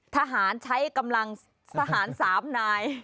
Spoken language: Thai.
ทหารใช้กำลังทหาร๓นาย